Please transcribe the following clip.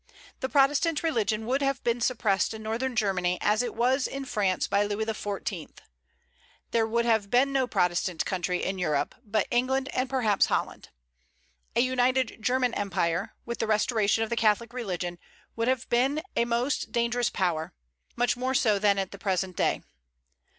The Protestant religion would have been suppressed in northern Germany, as it was in France by Louis XIV. There would have been no Protestant country in Europe, but England, and perhaps Holland. A united German Empire, with the restoration of the Catholic religion, would have been a most dangerous power, much more so than at the present day.